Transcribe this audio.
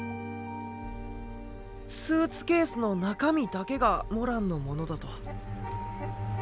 スーツケースの中身だけがモランのものだと。